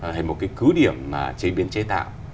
là một cái cứ điểm chế biến chế tạo